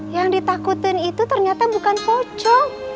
yang ditakutin itu ternyata bukan poco